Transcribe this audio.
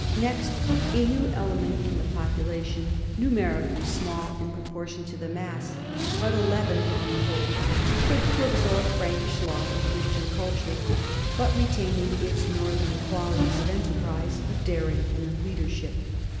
Next, a new element in the popu lation, numerically small in proportion to the mass, but THE COMING OF THE NORTHMEN 51 a leaven to the whole quick to absorb Prankish law and Christian culture but retaining its northern quali ties of enterprise, of daring, and of leadership.